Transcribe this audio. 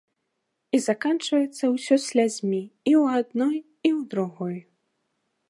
І заканчваецца ўсё слязьмі і ў адной, і ў другой.